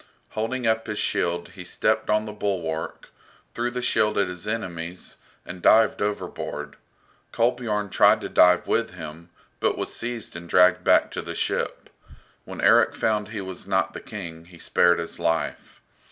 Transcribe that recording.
Holding up his shield he stepped on the bulwark, threw the shield at his enemies, and dived overboard. Kolbiorn tried to dive with him, but was seized and dragged back to the ship. When Erik found he was not the King he spared his life.